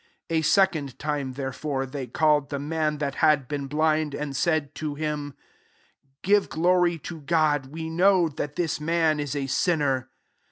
24 A second time, there fore, they called the man that had been blind, and said to him, " Give glory to God : we know that this man is a sinner.